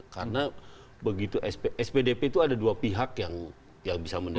karena begitu spdp itu ada dua pihak yang bisa menerima